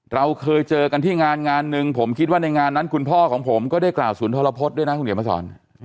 เราเคยเจอกันที่งานงานหนึ่งผมคิดว่าในงานนั้นคุณพ่อของผมก็ได้กล่าวศูนย์ทรพฤษด้วยนะคุณเขียนมาสอน